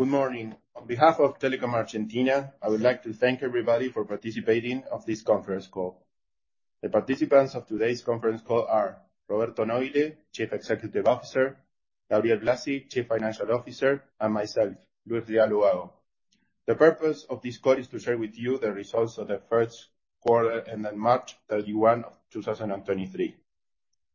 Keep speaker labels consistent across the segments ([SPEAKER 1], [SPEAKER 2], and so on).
[SPEAKER 1] Good morning. On behalf of Telecom Argentina, I would like to thank everybody for participating of this conference call. The participants of today's conference call are Roberto Nobile, Chief Executive Officer, Gabriel Blasi, Chief Financial Officer, and myself, Luis Rial Ubago. The purpose of this call is to share with you the results of the first quarter ended March 31 of 2023.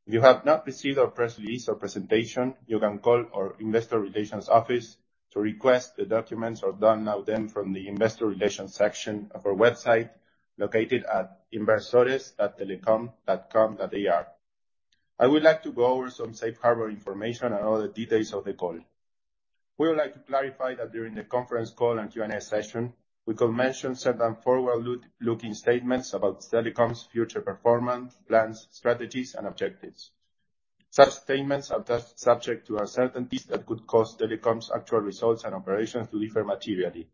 [SPEAKER 1] If you have not received our press release or presentation, you can call our investor relations office to request the documents or download them from the investor relations section of our website, located at inversores.telecom.com.ar. I would like to go over some safe harbor information and other details of the call. We would like to clarify that during the conference call and Q&A session, we could mention certain forward-looking statements about Telecom's future performance, plans, strategies, and objectives. Such statements are subject to uncertainties that could cause Telecom's actual results and operations to differ materially.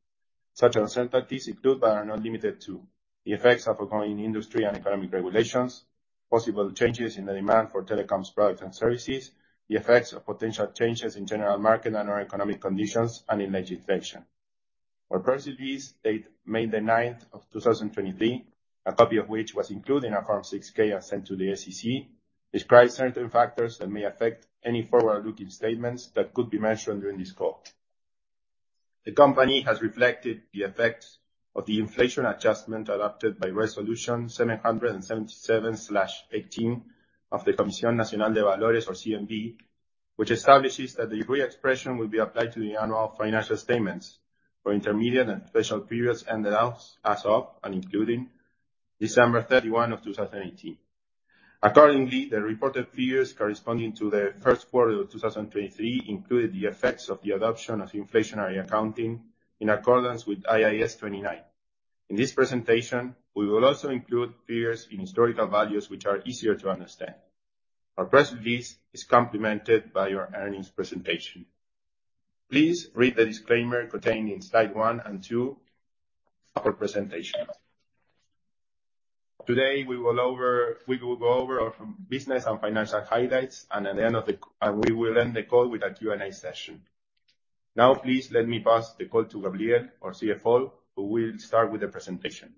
[SPEAKER 1] Such uncertainties include, but are not limited to, the effects of ongoing industry and economic regulations, possible changes in the demand for Telecom's products and services, the effects of potential changes in general market and/or economic conditions, and in legislation. Our press release dated May 9, 2023, a copy of which was included in our Form 6-K sent to the SEC, describes certain factors that may affect any forward-looking statements that could be mentioned during this call. The company has reflected the effects of the inflation adjustment adopted by Resolution 777/18 of the Comisión Nacional de Valores or CNV, which establishes that the reexpression will be applied to the annual financial statements for intermediate and special periods ended as of and including December 31 of 2018. Accordingly, the reported figures corresponding to the first quarter of 2023 include the effects of the adoption of inflationary accounting in accordance with IAS 29. In this presentation, we will also include figures in historical values which are easier to understand. Our press release is complemented by our earnings presentation. Please read the disclaimer contained in slide one and two of our presentation. Today, we will. We will go over our business and financial highlights. We will end the call with our Q&A session. Now, please let me pass the call to Gabriel, our CFO, who will start with the presentation.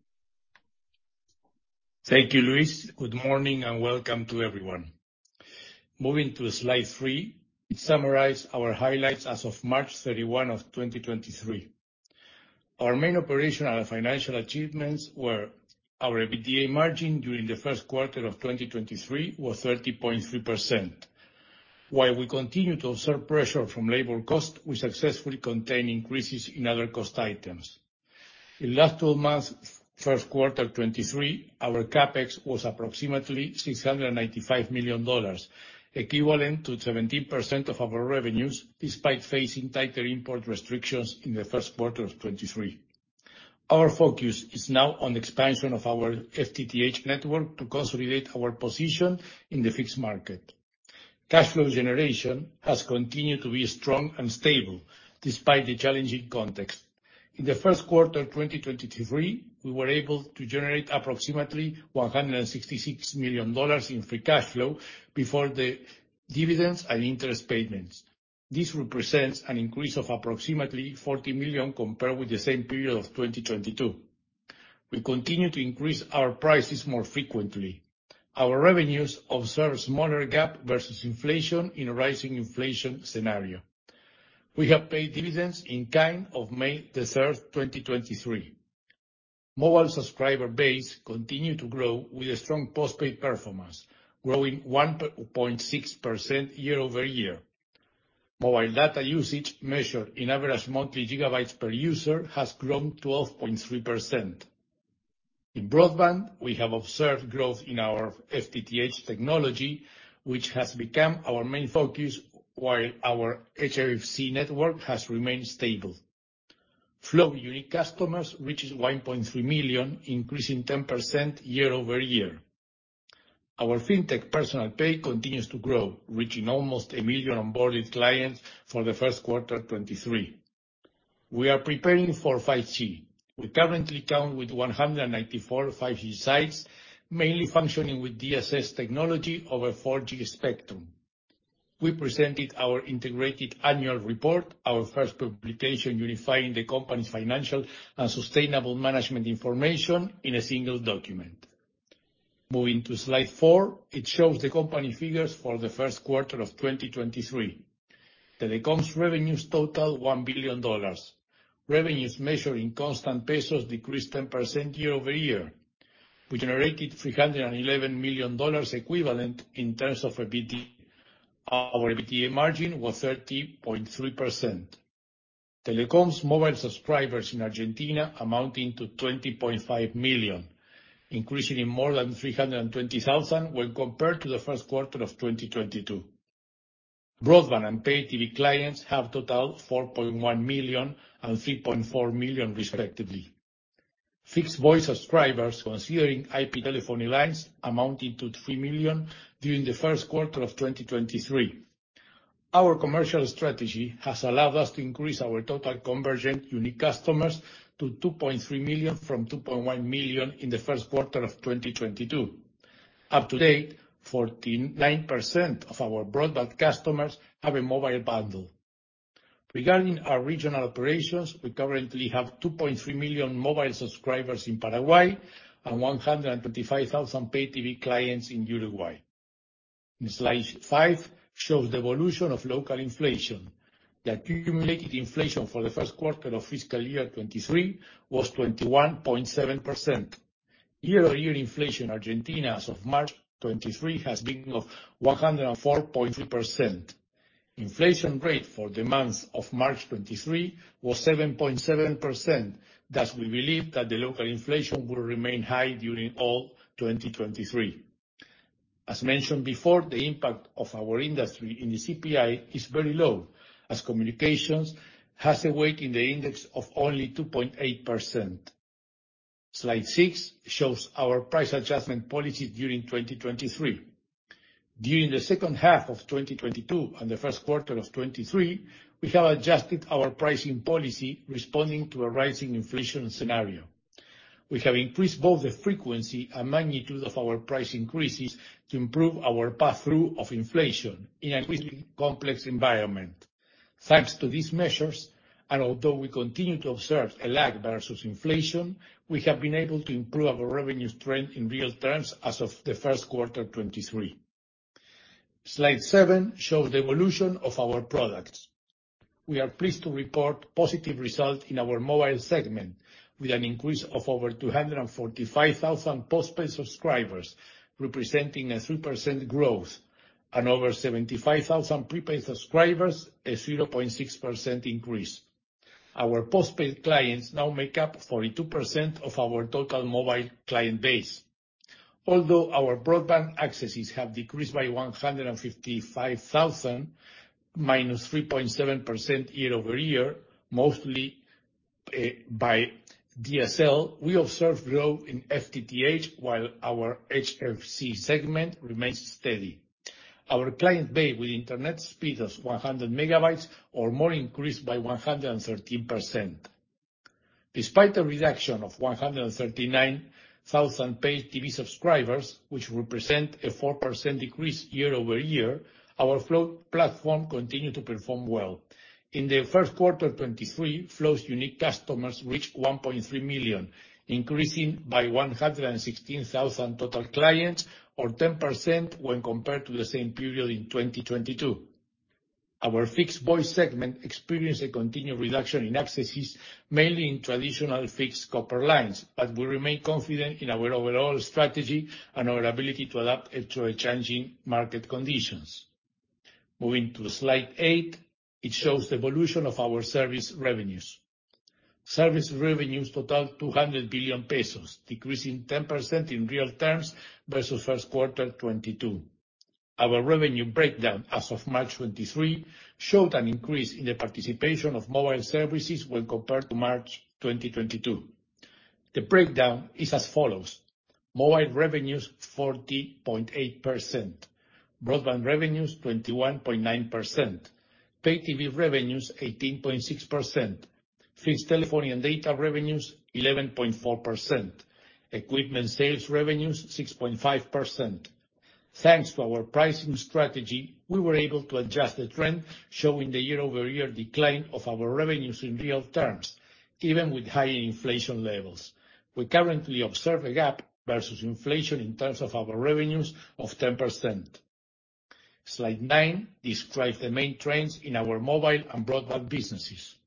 [SPEAKER 2] Thank you, Luis. Good morning, welcome to everyone. Moving to slide three, it summarize our highlights as of March 31 of 2023. Our main operational and financial achievements were our EBITDA margin during the first quarter of 2023 was 30.3%. While we continue to observe pressure from labor costs, we successfully contained increases in other cost items. In last 12 months, first quarter 23, our CapEx was approximately $695 million, equivalent to 17% of our revenues, despite facing tighter import restrictions in the first quarter of 23. Our focus is now on the expansion of our FTTH network to consolidate our position in the fixed market. Cash flow generation has continued to be strong and stable despite the challenging context. In the first quarter of 2023, we were able to generate approximately $166 million in free cash flow before the dividends and interest payments. This represents an increase of approximately 40 million compared with the same period of 2022. We continue to increase our prices more frequently. Our revenues observe smaller gap versus inflation in a rising inflation scenario. We have paid dividends in kind on May 3rd, 2023. Mobile subscriber base continue to grow with a strong post-paid performance, growing 1.6% year-over-year. Mobile data usage measured in average monthly gigabytes per user has grown 12.3%. In broadband, we have observed growth in our FTTH technology, which has become our main focus while our HFC network has remained stable. Flow unique customers reaches 1.3 million, increasing 10% year-over-year. Our fintech Personal Pay continues to grow, reaching almost 1 million onboarded clients for the first quarter, 2023. We are preparing for 5G. We currently count with 194 5G sites, mainly functioning with DSS technology over 4G spectrum. We presented our integrated annual report, our first publication unifying the company's financial and sustainable management information in a single document. Moving to slide four, it shows the company figures for the first quarter of 2023. Telecom's revenues total $1 billion. Revenues measured in constant pesos decreased 10% year-over-year. We generated $311 million equivalent in terms of EBITDA. Our EBITDA margin was 30.3%. Telecom's mobile subscribers in Argentina amounting to 20.5 million, increasing in more than 320,000 when compared to the first quarter of 2022. Broadband and Pay TV clients have totaled 4.1 million and 3.4 million respectively. Fixed voice subscribers considering IP telephony lines amounted to 3 million during the first quarter of 2023. Our commercial strategy has allowed us to increase our total convergent unique customers to 2.3 million from 2.1 million in the first quarter of 2022. Up to date, 49% of our broadband customers have a mobile bundle. Regarding our regional operations, we currently have 2.3 million mobile subscribers in Paraguay and 125,000 Pay TV clients in Uruguay. Slide 5 shows the evolution of local inflation. The accumulated inflation for the first quarter of fiscal year 2023 was 21.7%. Year-over-year inflation in Argentina as of March 2023 has been 104.3%. Inflation rate for the month of March 2023 was 7.7%. Thus, we believe that the local inflation will remain high during all 2023. As mentioned before, the impact of our industry in the CPI is very low, as communications has a weight in the index of only 2.8%. Slide six shows our price adjustment policy during 2023. During the second half of 2022 and the first quarter of 2023, we have adjusted our pricing policy responding to a rising inflation scenario. We have increased both the frequency and magnitude of our price increases to improve our path through of inflation in an increasingly complex environment. Thanks to these measures, and although we continue to observe a lag versus inflation, we have been able to improve our revenue trend in real terms as of the first quarter 2023. Slide 7 shows the evolution of our products. We are pleased to report positive result in our mobile segment, with an increase of over 245,000 postpaid subscribers, representing a 3% growth, and over 75,000 prepaid subscribers, a 0.6% increase. Our postpaid clients now make up 42% of our total mobile client base. Although our broadband accesses have decreased by 155,000, -3.7% year-over-year, mostly by DSL, we observe growth in FTTH while our HFC segment remains steady. Our client base with internet speed of 100 MB or more increased by 113%. Despite a reduction of 139,000 paid TV subscribers, which represent a 4% decrease year-over-year, our Flow platform continued to perform well. In the first quarter 2023, Flow's unique customers reached 1.3 million, increasing by 116,000 total clients or 10% when compared to the same period in 2022. Our fixed voice segment experienced a continued reduction in accesses, mainly in traditional fixed copper lines, but we remain confident in our overall strategy and our ability to adapt it to the changing market conditions. Moving to slide eight, it shows the evolution of our service revenues. Service revenues totaled 200 billion pesos, decreasing 10% in real terms versus first quarter 2022. Our revenue breakdown as of March 2023 showed an increase in the participation of mobile services when compared to March 2022. The breakdown is as follows. Mobile revenues, 40.8%. Broadband revenues, 21.9%. Pay TV revenues, 18.6%. Fixed telephone and data revenues, 11.4%. Equipment sales revenues, 6.5%. Thanks to our pricing strategy, we were able to adjust the trend showing the year-over-year decline of our revenues in real terms, even with higher inflation levels. We currently observe a gap versus inflation in terms of our revenues of 10%. Slide nine describes the main trends in our mobile and broadband businesses.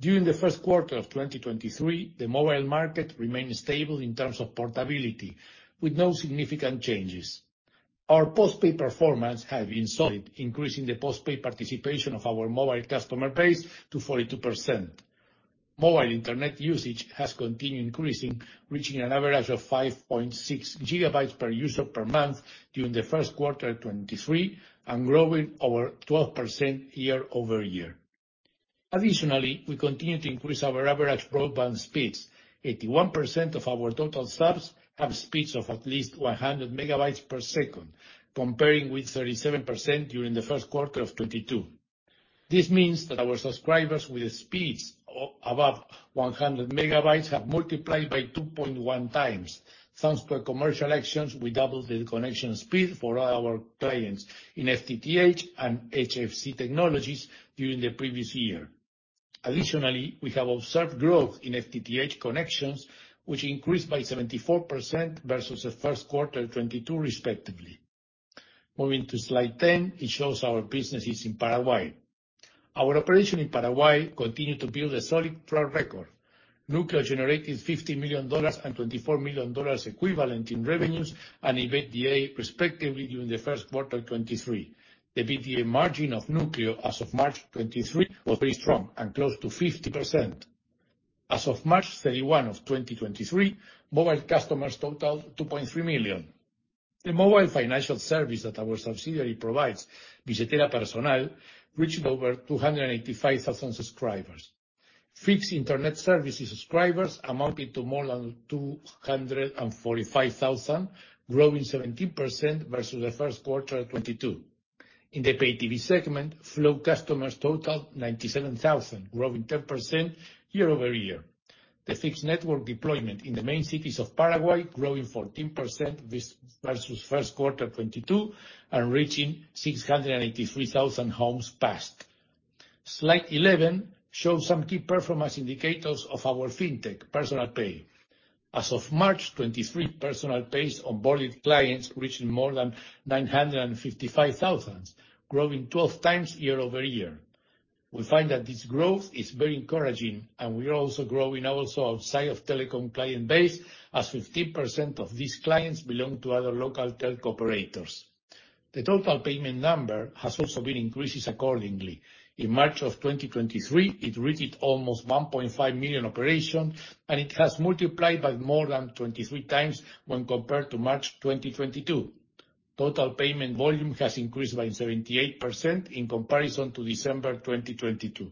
[SPEAKER 2] During the first quarter of 2023, the mobile market remained stable in terms of portability, with no significant changes. Our postpaid performance have been solid, increasing the postpaid participation of our mobile customer base to 42%. Mobile internet usage has continued increasing, reaching an average of 5.6 GB per user per month during the first quarter 23 and growing over 12% year-over-year. Additionally, we continue to increase our average broadband speeds. 81% of our total subs have speeds of at least 100 megabytes per second, comparing with 37% during the first quarter of 2022. This means that our subscribers with speeds above 100 megabytes have multiplied by 2.1 times. Thanks to our commercial actions, we doubled the connection speed for our clients in FTTH and HFC technologies during the previous year. Additionally, we have observed growth in FTTH connections, which increased by 74% versus the first quarter 2022 respectively. Moving to slide 10, it shows our businesses in Paraguay. Our operation in Paraguay continued to build a solid track record. Núcleo generated $50 million and $24 million equivalent in revenues and EBITDA respectively during the first quarter 2023. The EBITDA margin of Núcleo as of March 2023 was very strong and close to 50%. As of March 31 of 2023, mobile customers totaled 2.3 million. The mobile financial service that our subsidiary provides, Billetera Personal, reached over 285,000 subscribers. Fixed internet services subscribers amounted to more than 245,000, growing 17% versus the first quarter of 2022. In the pay TV segment, Flow customers totaled 97,000, growing 10% year-over-year. The fixed network deployment in the main cities of Paraguay growing 14% versus first quarter 2022, and reaching 683,000 homes passed. Slide 11 shows some key performance indicators of our fintech Personal Pay. As of March 2023, Personal Pay's onboarded clients reached more than 955,000, growing 12 times year-over-year. We find that this growth is very encouraging, we are also growing outside of Telecom client base, as 15% of these clients belong to other local telco operators. The total payment number has also been increases accordingly. In March 2023, it reached almost 1.5 million operation, and it has multiplied by more than 23 times when compared to March 2022. Total payment volume has increased by 78% in comparison to December 2022.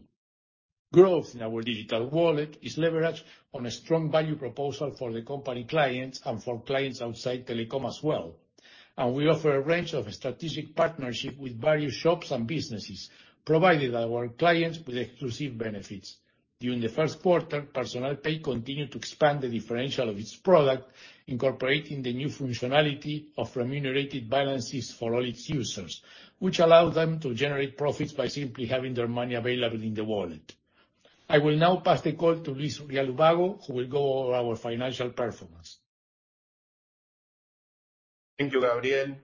[SPEAKER 2] Growth in our digital wallet is leveraged on a strong value proposal for the company clients and for clients outside Telecom as well. We offer a range of strategic partnership with various shops and businesses, providing our clients with exclusive benefits. During the first quarter, Personal Pay continued to expand the differential of its product, incorporating the new functionality of remunerated balances for all its users, which allow them to generate profits by simply having their money available in the wallet. I will now pass the call to Luis Rial Ubago, who will go over our financial performance.
[SPEAKER 1] Thank you, Gabriel.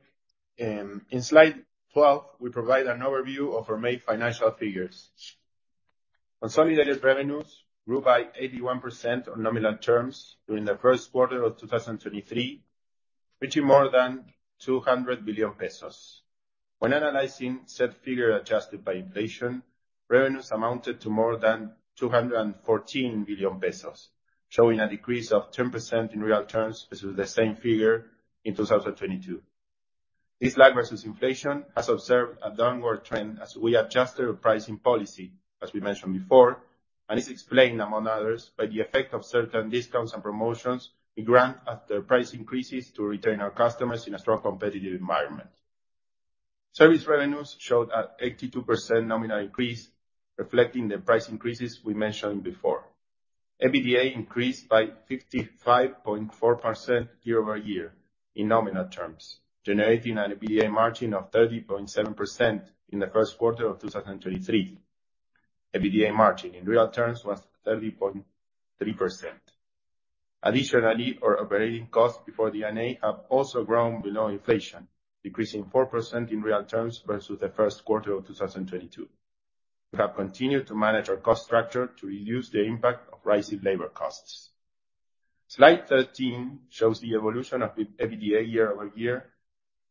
[SPEAKER 1] In slide 12, we provide an overview of our main financial figures. Consolidated revenues grew by 81% on nominal terms during the first quarter of 2023, reaching more than 200 billion pesos. When analyzing said figure adjusted by inflation, revenues amounted to more than 214 billion pesos, showing a decrease of 10% in real terms versus the same figure in 2022. This lag versus inflation has observed a downward trend as we adjusted our pricing policy, as we mentioned before, and is explained, among others, by the effect of certain discounts and promotions we grant after price increases to retain our customers in a strong competitive environment. Service revenues showed a 82% nominal increase, reflecting the price increases we mentioned before. EBITDA increased by 55.4% year-over-year in nominal terms, generating an EBITDA margin of 30.7% in the first quarter of 2023. EBITDA margin in real terms was 30.3%. Additionally, our operating costs before D&A have also grown below inflation, decreasing 4% in real terms versus the first quarter of 2022. We have continued to manage our cost structure to reduce the impact of rising labor costs. Slide 13 shows the evolution of EBITDA year-over-year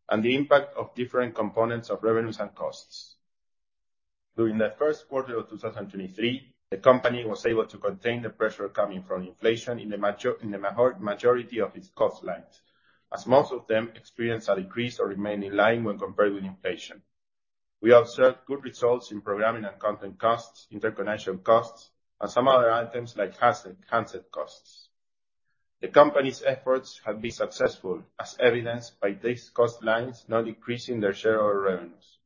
[SPEAKER 1] and the impact of different components of revenues and costs. During the first quarter of 2023, the company was able to contain the pressure coming from inflation in the majority of its cost lines, as most of them experienced a decrease or remained in line when compared with inflation. We observed good results in programming and content costs, interconnection costs, and some other items like handset costs. The company's efforts have been successful, as evidenced by these cost lines now decreasing their share of revenues.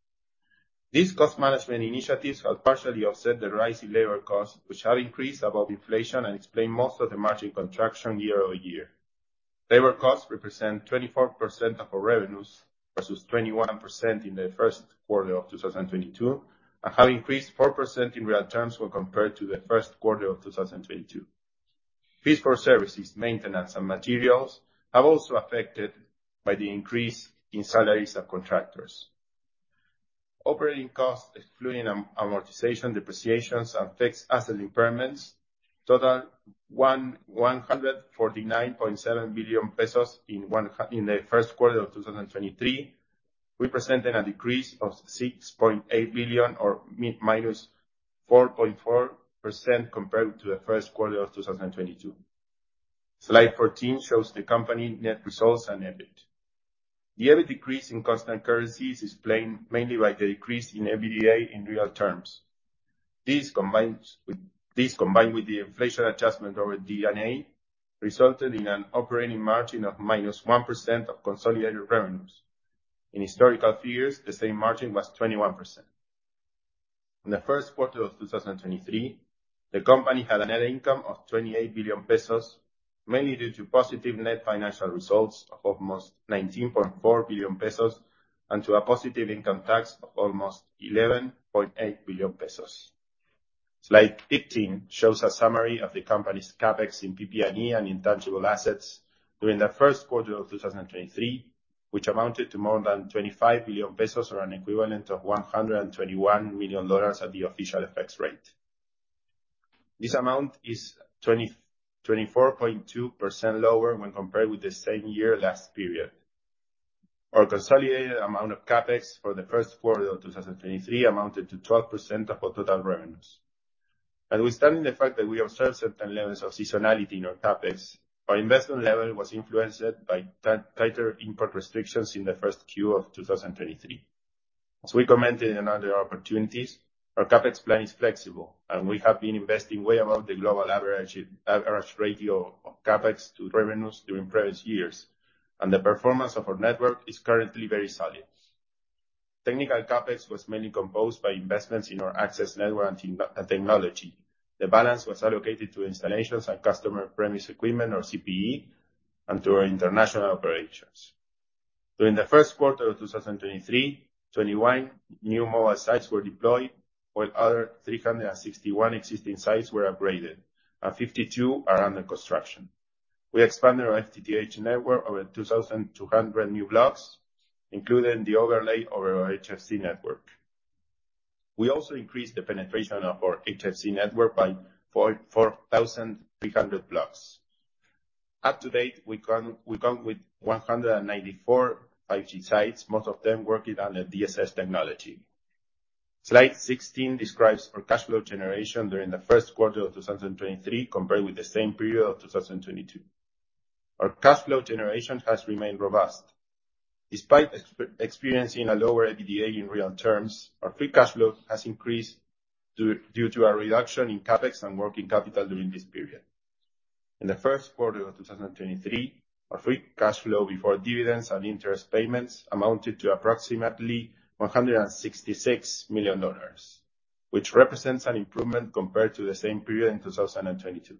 [SPEAKER 1] These cost management initiatives have partially offset the rise in labor costs, which have increased above inflation and explain most of the margin contraction year-over-year. Labor costs represent 24% of our revenues versus 21% in the first quarter of 2022, and have increased 4% in real terms when compared to the first quarter of 2022. Fees for services, maintenance, and materials have also affected by the increase in salaries of contractors. Operating costs, excluding amortization, depreciations, and fixed asset impairments, total 149.7 billion pesos in the first quarter of 2023, representing a decrease of 6.8 billion or minus 4.4% compared to the first quarter of 2022. Slide 14 shows the company net results and EBIT. The EBIT decrease in constant currencies is explained mainly by the decrease in EBITDA in real terms. This, combined with the inflation adjustment over D&A, resulted in an operating margin of minus 1% of consolidated revenues. In historical figures, the same margin was 21%. In the first quarter of 2023, the company had a net income of 28 billion pesos, mainly due to positive net financial results of almost 19.4 billion pesos and to a positive income tax of almost 11.8 billion pesos. Slide 15 shows a summary of the company's CapEx in PP&E and intangible assets during the first quarter of 2023, which amounted to more than 25 billion pesos or an equivalent of $121 million at the official FX rate. This amount is 24.2% lower when compared with the same year last period. Our consolidated amount of CapEx for the first quarter of 2023 amounted to 12% of our total revenues. We're studying the fact that we observed certain levels of seasonality in our CapEx. Our investment level was influenced by tighter import restrictions in the first Q of 2023. As we commented in other opportunities, our CapEx plan is flexible, and we have been investing way above the global average ratio of CapEx to revenues during previous years, and the performance of our network is currently very solid. technical CapEx was mainly composed by investments in our access network and technology. The balance was allocated to installations and customer premise equipment, or CPE, and to our international operations. During the first quarter of 2023, 21 new mobile sites were deployed, while other 361 existing sites were upgraded, and 52 are under construction. We expanded our FTTH network over 2,200 new blocks, including the overlay over our HFC network. We also increased the penetration of our HFC network by 4,300 blocks. Up to date, we count with 194 5G sites, most of them working on the DSS technology. Slide 16 describes our cash flow generation during the first quarter of 2023, compared with the same period of 2022. Our cash flow generation has remained robust. Despite experiencing a lower EBITDA in real terms, our free cash flow has increased due to a reduction in CapEx and working capital during this period. In the first quarter of 2023, our free cash flow before dividends and interest payments amounted to approximately $166 million, which represents an improvement compared to the same period in 2022.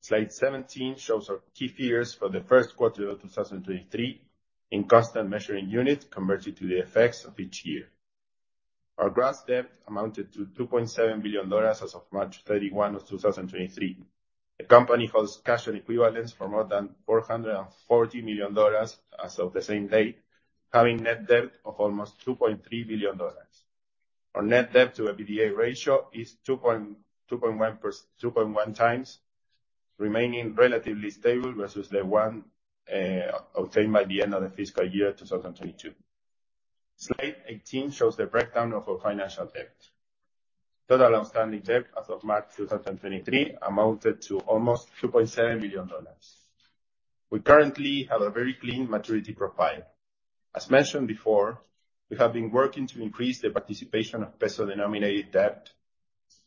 [SPEAKER 1] Slide 17 shows our key figures for the first quarter of 2023 in constant measuring unit converted to the effects of each year. Our gross debt amounted to $2.7 billion as of March 31, 2023. The company holds cash and equivalents for more than $440 million as of the same date, having net debt of almost $2.3 billion. Our net debt to EBITDA ratio is 2.1 times, remaining relatively stable versus the one obtained by the end of the fiscal year 2022. Slide 18 shows the breakdown of our financial debt. Total outstanding debt as of March 2023 amounted to almost $2.7 billion. We currently have a very clean maturity profile. As mentioned before, we have been working to increase the participation of peso-denominated debt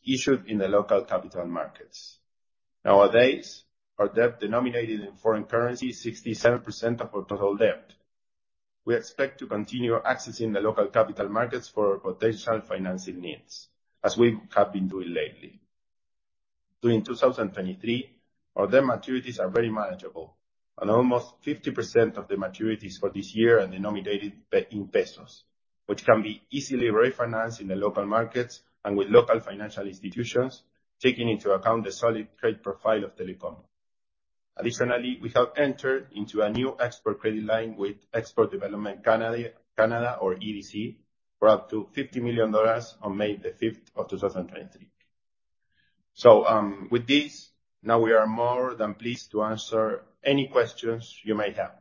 [SPEAKER 1] issued in the local capital markets. Nowadays, our debt denominated in foreign currency is 67% of our total debt. We expect to continue accessing the local capital markets for our potential financing needs, as we have been doing lately. During 2023, our debt maturities are very manageable. Almost 50% of the maturities for this year are denominated in pesos, which can be easily refinanced in the local markets and with local financial institutions, taking into account the solid credit profile of Telecom. Additionally, we have entered into a new export credit line with Export Development Canada, or EDC, for up to $50 million on May the 5th, 2023. With this, now we are more than pleased to answer any questions you may have.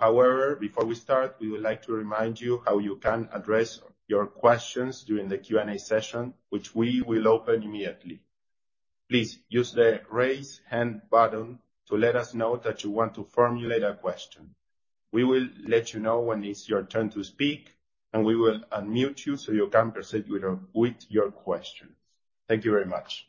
[SPEAKER 1] However, before we start, we would like to remind you how you can address your questions during the Q&A session, which we will open immediately. Please use the raise hand button to let us know that you want to formulate a question. We will let you know when it's your turn to speak, and we will unmute you so you can proceed with your questions. Thank you very much.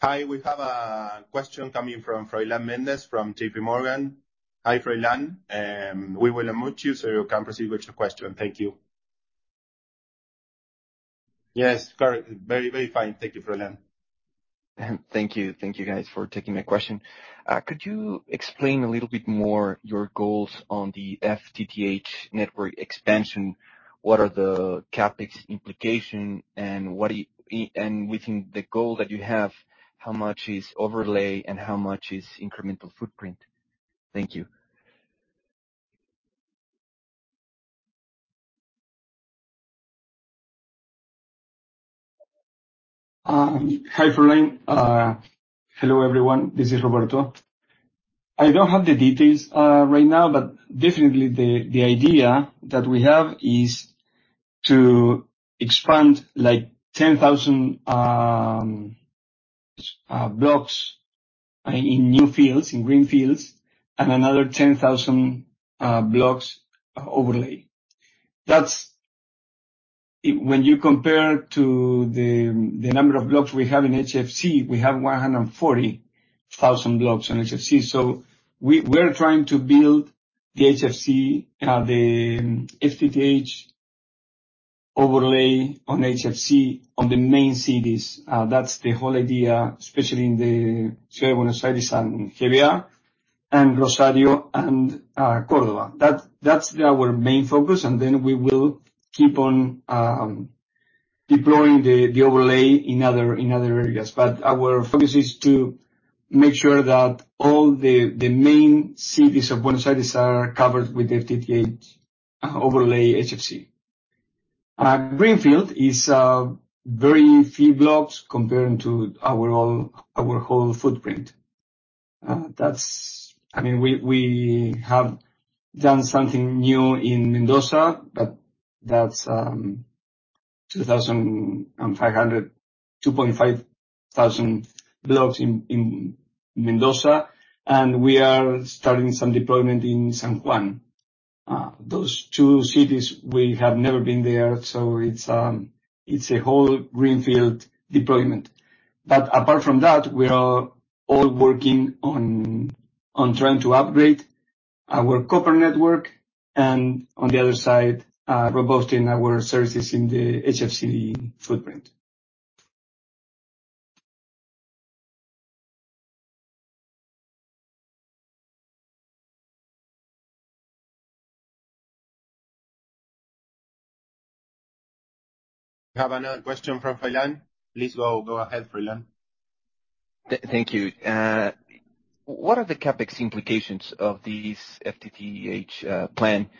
[SPEAKER 1] Hi, we have a question coming from Froylan Mendez from J.P. Morgan. Hi, Froylan. We will unmute you so you can proceed with your question. Thank you. Yes, very fine. Thank you, Froylan.
[SPEAKER 3] Thank you. Thank you guys for taking my question. Could you explain a little bit more your goals on the FTTH network expansion? What are the CapEx implication and within the goal that you have, how much is overlay and how much is incremental footprint? Thank you.
[SPEAKER 1] Hi, Froylan. Hello, everyone. This is Roberto. I don't have the details right now, but definitely the idea that we have is to expand, like, 10,000 blocks in new fields, in green fields, and another 10,000 blocks overlay. When you compare to the number of blocks we have in HFC, we have 140,000 blocks in HFC. We're trying to build the HFC, the FTTH overlay on HFC on the main cities. That's the whole idea, especially in the Buenos Aires and Cordoba. That's our main focus. We will keep on deploying the overlay in other areas. Our focus is to make sure that all the main cities of Buenos Aires are covered with FTTH overlay HFC.
[SPEAKER 4] Greenfield is very few blocks comparing to our whole footprint. That's... I mean, we have done something new in Mendoza, but that's 2,500, 2.5 thousand blocks in Mendoza. We are starting some deployment in San Juan. Those two cities we have never been there, so it's a whole greenfield deployment. Apart from that, we are all working on trying to upgrade our copper network and, on the other side, robusting our services in the HFC footprint.
[SPEAKER 1] We have another question from Ceferino. Please go ahead, Ceferino.
[SPEAKER 3] Thank you. What are the CapEx implications of these FTTH plan?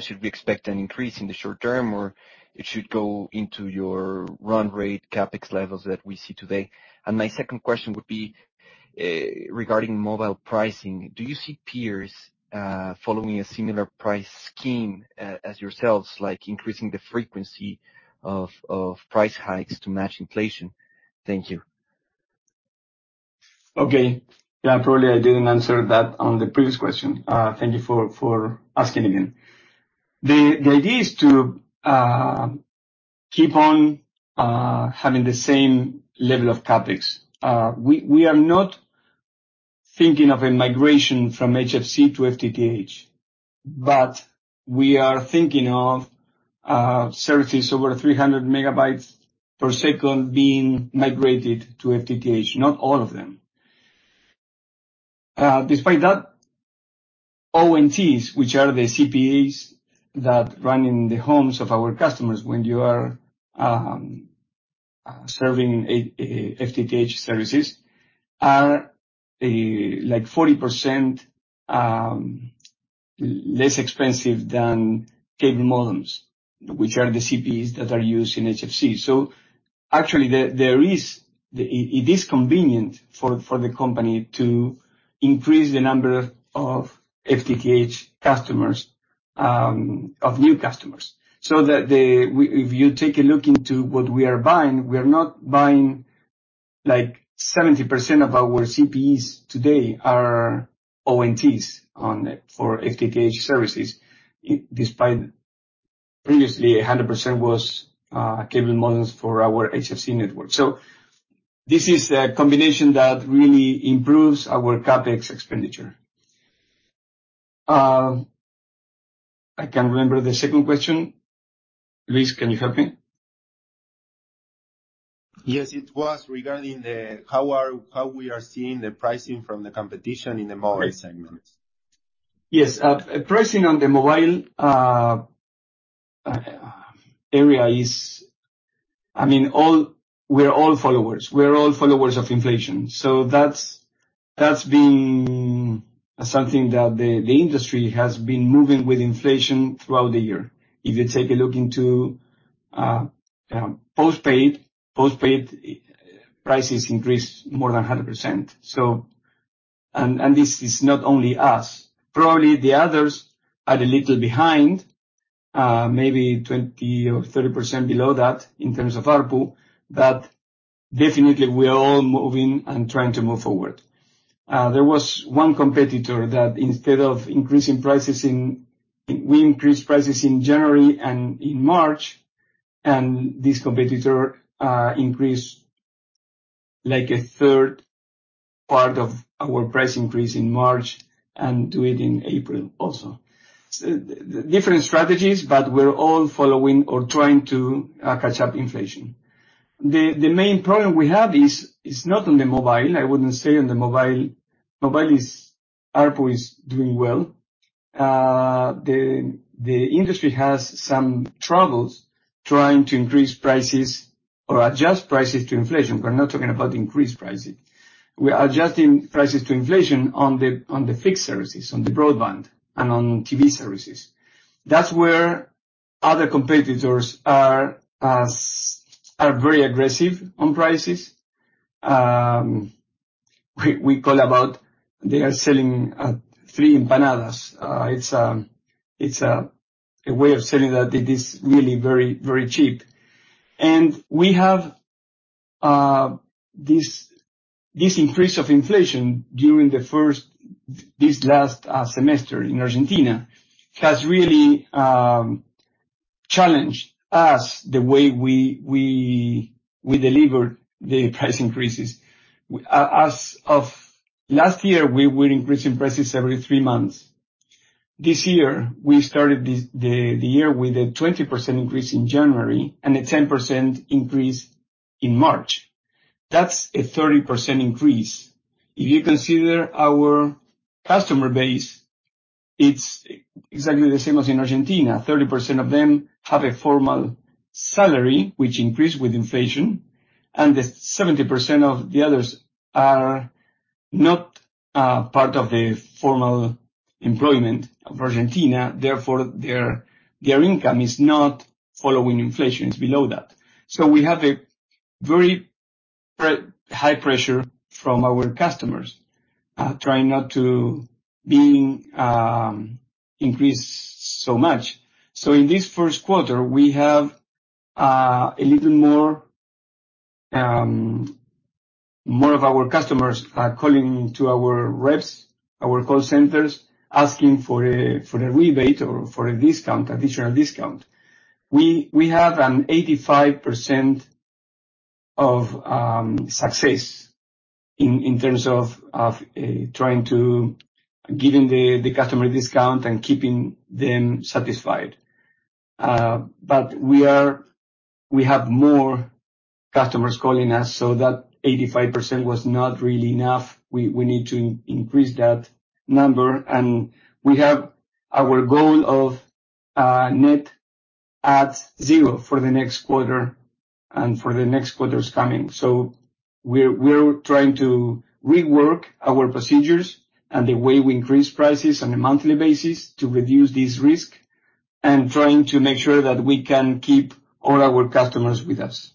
[SPEAKER 3] Should we expect an increase in the short term, or it should go into your run rate CapEx levels that we see today? My second question would be regarding mobile pricing. Do you see peers following a similar price scheme as yourselves, like increasing the frequency of price hikes to match inflation? Thank you.
[SPEAKER 4] Okay. Yeah, probably I didn't answer that on the previous question. Thank you for asking again. The idea is to keep on having the same level of CapEx. We are not thinking of a migration from HFC to FTTH, but we are thinking of services over 300 megabytes per second being migrated to FTTH, not all of them. Despite that, ONTs, which are the CPEs that run in the homes of our customers when you are serving FTTH services, are like 40% less expensive than cable modems, which are the CPEs that are used in HFC. Actually, there is. It is convenient for the company to increase the number of FTTH customers of new customers, so that they... If you take a look into what we are buying, we are not buying, like 70% of our CPEs today are ONTs on it for FTTH services, despite previously 100% was cable modems for our HFC network. This is a combination that really improves our CapEx expenditure. I can't remember the second question. Luis, can you help me?
[SPEAKER 1] Yes. It was regarding the how we are seeing the pricing from the competition in the mobile segment.
[SPEAKER 4] Yes. Pricing on the mobile area is. I mean, we're all followers. We're all followers of inflation, so that's been something that the industry has been moving with inflation throughout the year. If you take a look into post-paid prices increased more than 100%. This is not only us. Probably the others are a little behind, maybe 20% or 30% below that in terms of ARPU. Definitely we are all moving and trying to move forward. There was one competitor that instead of increasing prices. We increased prices in January and in March. This competitor increased like a third part of our price increase in March and do it in April also. Different strategies, but we're all following or trying to catch up inflation. The main problem we have is not on the mobile. I wouldn't say on the mobile. ARPU is doing well. The industry has some troubles trying to increase prices or adjust prices to inflation. We're not talking about increased pricing. We are adjusting prices to inflation on the fixed services, on the broadband and on TV services. That's where other competitors are very aggressive on prices. We call about they are selling three empanadas. It's a way of saying that it is really very, very cheap. We have this increase of inflation during this last semester in Argentina has really challenged us the way we deliver the price increases. As of last year, we were increasing prices every three months. This year, we started this, the year with a 20% increase in January and a 10% increase in March. That's a 30% increase. If you consider our customer base, it's exactly the same as in Argentina. 30% of them have a formal salary, which increased with inflation, and the 70% of the others are not part of the formal employment of Argentina, therefore their income is not following inflation, it's below that. We have a very high pressure from our customers, trying not to being increased so much. In this first quarter, we have a little more, more of our customers are calling to our reps, our call centers, asking for a rebate or for a discount, additional discount. We have an 85% of success in terms of trying to giving the customer a discount and keeping them satisfied. But we have more customers calling us, so that 85% was not really enough. We need to increase that number. We have our goal of net at 0 for the next quarter and for the next quarters coming. We're trying to rework our procedures and the way we increase prices on a monthly basis to reduce this risk and trying to make sure that we can keep all our customers with us.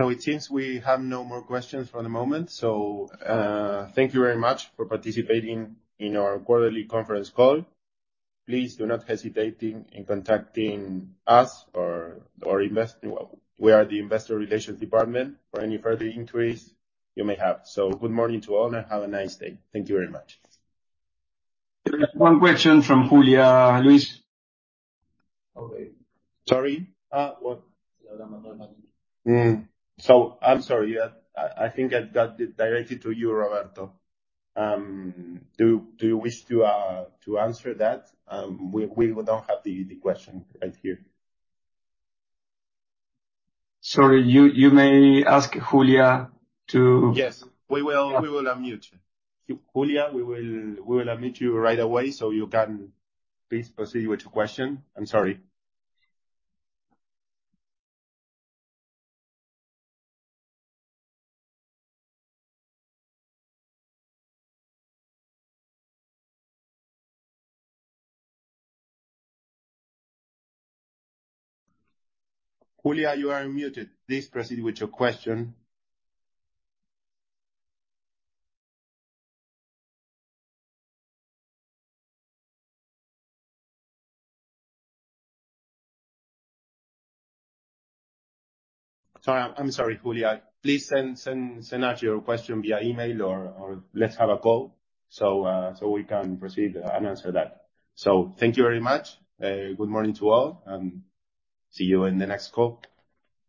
[SPEAKER 1] It seems we have no more questions for the moment. Thank you very much for participating in our quarterly conference call. Please do not hesitating in contacting us. Well, we are the investor relations department for any further inquiries you may have. Good morning to all, and have a nice day. Thank you very much.
[SPEAKER 4] There is one question from Julieta Rozenza.
[SPEAKER 1] Okay. Sorry? What? I'm sorry. I think I got it directed to you, Roberto. Do you wish to answer that? We don't have the question right here.
[SPEAKER 4] Sorry, you may ask Julieta.
[SPEAKER 1] Yes. We will unmute. Julieta, we will unmute you right away, so you can please proceed with your question. I'm sorry. Julieta, you are unmuted. Please proceed with your question. Sorry. I'm sorry, Julieta. Please send out your question via email or let's have a call so we can proceed and answer that. Thank you very much. Good morning to all, and see you in the next call.